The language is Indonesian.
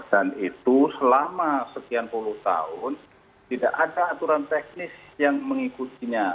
dan itu selama sekian puluh tahun tidak ada aturan teknis yang mengikutinya